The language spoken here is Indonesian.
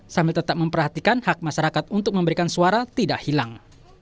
sambil tetap memperhatikan hak masyarakat untuk memberikan suara tidak hilang